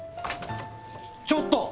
ちょっと！